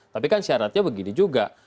tapi kan syaratnya begini juga